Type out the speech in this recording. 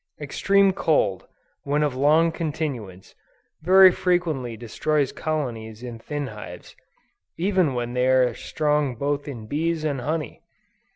Extreme cold, when of long continuance, very frequently destroys colonies in thin hives, even when they are strong both in bees and honey.